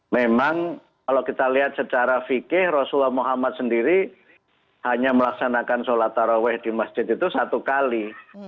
memang kalau kita lihat secara fikih rasulullah muhammad sendiri hanya melaksanakan sholat taraweh di masjid itu satu kali